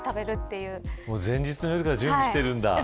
前日の夜から準備しているんだ。